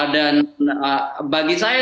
dan bagi saya